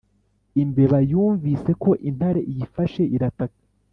imbeba yumvise ko intare iyifashe irataka